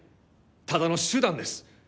ただの手段です。